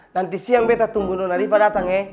nanti siang beta tunggu nona riva datang